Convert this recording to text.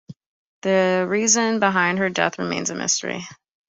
The reason behind her death remains a mystery.